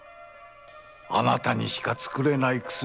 あなたにしか作れない薬